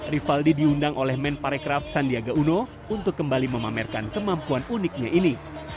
rivaldi diundang oleh men parekraf sandiaga uno untuk kembali memamerkan kemampuan uniknya ini